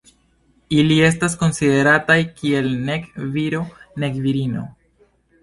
Ili estas konsiderataj kiel nek viro nek virino.